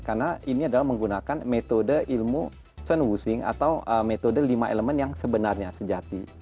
karena ini adalah menggunakan metode ilmu chen wuxing atau metode lima elemen yang sebenarnya sejati